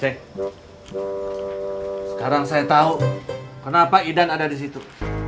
sekarang saya tahu kenapa idan ada di situ